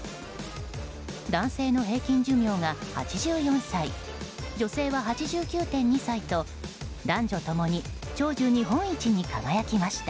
男性の平均寿命が８４歳女性は８９．２歳と男女ともに長寿日本一に輝きました。